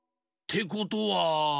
てことは。